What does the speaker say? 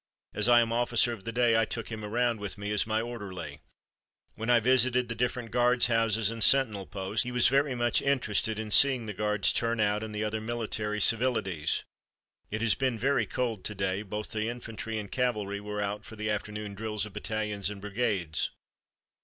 As I am 'officer of the day,' I took him around with me as my 'orderly'! When I visited the different guard houses and sentinel posts, he was very much interested in seeing the guards 'turn out' and the other military civilities. It has been very cold to day, but both the infantry and cavalry were out for the afternoon drills of battalions and brigades.